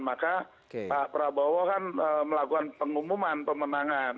maka pak prabowo kan melakukan pengumuman pemenangan